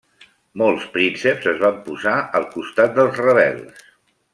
Molts prínceps es van posar al costat dels rebels.